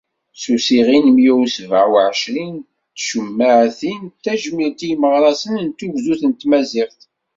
S usiɣi n mya u sebεa u εecrin n tcumɛatin, d tajmilt i yimeɣrasen n tugdut d tmaziɣt.